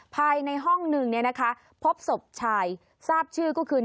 ภายในห้องนึงเนี่ยนะคะพบศพชายทราบชื่อก็คือ